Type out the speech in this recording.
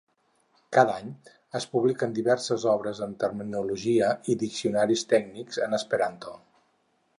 Cada any es publiquen diverses obres de terminologia i diccionaris tècnics en esperanto.